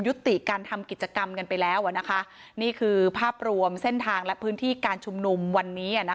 ยุติการทำกิจกรรมกันไปแล้วนี่คือภาพรวมเส้นทางและพื้นที่การชุมนุมวันนี้